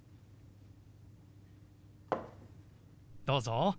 どうぞ。